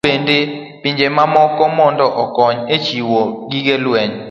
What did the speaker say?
Gichoko bende pinje mamoko mondo okony e chiwo gige lweny